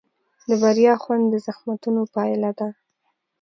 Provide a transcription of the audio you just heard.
د بریا خوند د زحمتونو پایله ده.